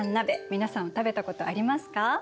皆さん食べたことありますか？